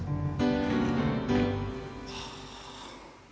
はあ。